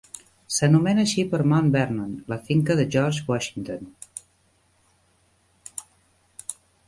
S'anomena així per Mount Vernon, la finca de George Washington.